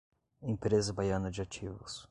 Empresa Baiana de Ativos